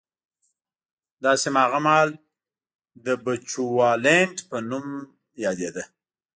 دا سیمه هغه مهال د بچوالېنډ په نامه یادېده.